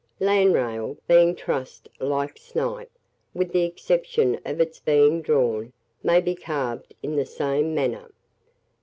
LANDRAIL, being trussed like Snipe, with the exception of its being drawn, may be carved in the same manner.